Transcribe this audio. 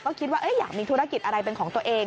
ก็คิดว่าอยากมีธุรกิจอะไรเป็นของตัวเอง